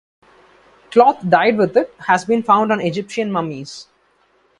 Cloth dyed with it has been found on Egyptian mummies.